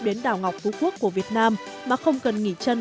đến đảo ngọc phú quốc của việt nam mà không cần nghỉ chân